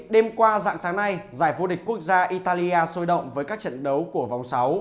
đêm qua dạng sáng nay giải vô địch quốc gia italia sôi động với các trận đấu của vòng sáu